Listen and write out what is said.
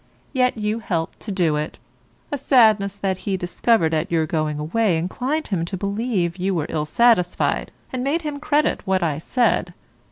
Yet you helped to do it; a sadness that he discovered at your going away inclined him to believe you were ill satisfied, and made him credit what I said.